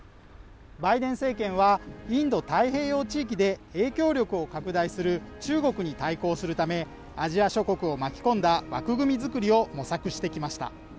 バイデン政権はインド太平洋地域で影響力を拡大する中国に対抗するためアジア諸国を巻き込んだ枠組み作りを模索していきました